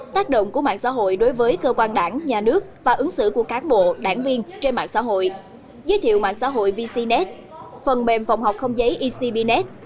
tác động của mạng xã hội đối với cơ quan đảng nhà nước và ứng xử của cán bộ đảng viên trên mạng xã hội giới thiệu mạng xã hội vcnet phần mềm phòng học không giấy ecbnet